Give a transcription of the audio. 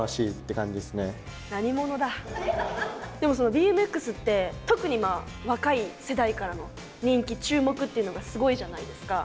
え怖いけどでもそのＢＭＸって特に若い世代からの人気注目っていうのがすごいじゃないですか。